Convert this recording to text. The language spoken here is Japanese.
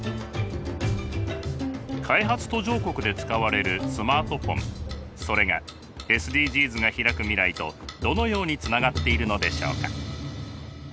開発途上国で使われるスマートフォンそれがＳＤＧｓがひらく未来とどのようにつながっているのでしょうか。